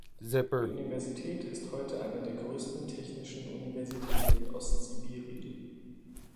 Die Universität ist heute eine der größeren technischen Universitäten in Ostsibirien.